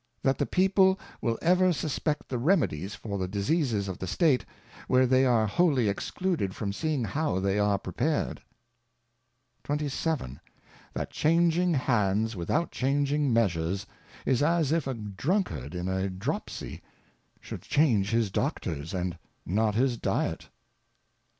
That the People will ever suspect the Remedies for the Diseases of the State, where they are whoUy excluded from seeing how they are prepared. 27. That changing Hands without changing Measures, is as if a Druntcard in a Dropsey should change his 2)oc^pr«, and Jiot his Dyet. 28.